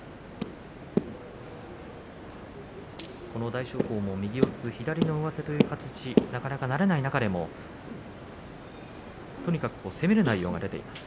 大翔鵬も右四つ左四つという形になれない中でもとにかく攻める内容が出ています。